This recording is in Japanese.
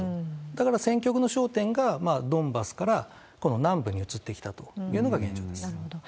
だから戦局の焦点がドンバスからこの南部に移ってきたというのがなるほど。